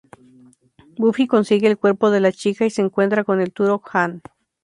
Buffy consigue el cuerpo de la chica y se encuentra con el Turok-han.